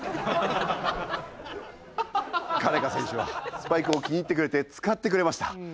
カレカ選手はスパイクを気に入ってくれて使ってくれました。